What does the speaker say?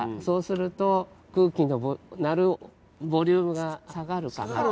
そうすると空気の鳴るボリュームが下がるから。